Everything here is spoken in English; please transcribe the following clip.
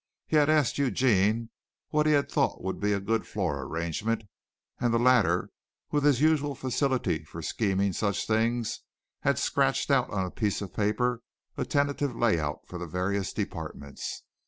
He had asked Eugene what he had thought would be a good floor arrangement, and the latter, with his usual facility for scheming such things, had scratched on a piece of paper a tentative layout for the various departments.